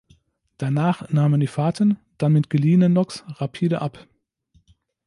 Danach nahmen die Fahrten (dann mit geliehenen Loks) rapide ab.